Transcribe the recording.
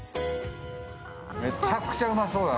めちゃくちゃうまそうだ。